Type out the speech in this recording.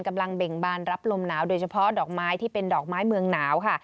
เบ่งบานรับลมหนาวโดยเฉพาะดอกไม้ที่เป็นดอกไม้เมืองหนาวค่ะ